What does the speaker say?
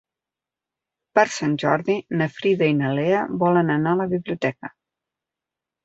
Per Sant Jordi na Frida i na Lea volen anar a la biblioteca.